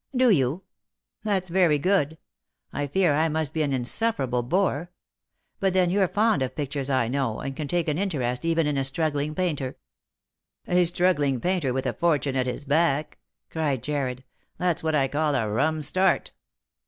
" Do you ? That's very good. I fear I must be an insuffer able bore. But then you're fond of pictures, I know, and can take an interest even in a struggling painter." 58 £<08i jor ijove. " A struggling painter with a fortune at his back !" cried Jarred. " That's what I call a rum start."